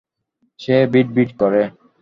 সে বিড়বিড় করে।